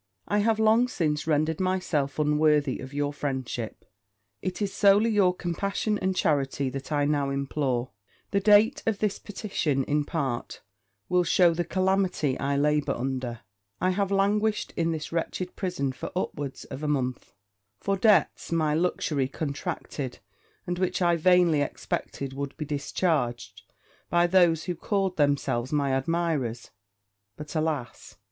I have long since rendered myself unworthy your friendship it is solely your compassion and charity that I now implore. The date of this petition, in part, will shew you the calamity I labour under. I have languished in this wretched prison for upwards of a month, for debts my luxury contracted, and which I vainly expected would be discharged by those who called themselves my admirers: but, alas!